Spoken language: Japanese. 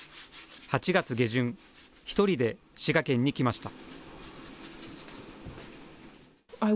８月下旬、１人で滋賀県に来ました。